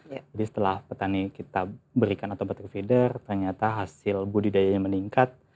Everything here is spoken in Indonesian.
jadi setelah petani kita berikan automatic feeder ternyata hasil budi dayanya meningkat